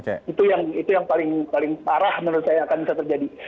itu yang paling parah menurut saya akan bisa terjadi